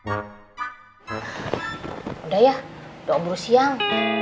udah ya udah allah siang